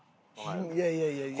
いやいやいやいや。